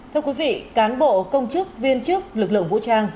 thưa quý vị cán bộ công chức viên chức lực lượng vũ trang